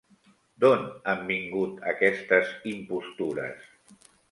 D'on han vingut aquestes impostures?